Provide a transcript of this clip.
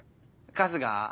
春日？